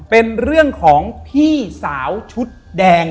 เป็นเรื่องของพี่สาวชุดแดง